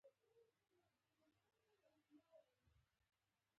هيلې په بېړه شا او خواته وکتل او ناجيې ته وویل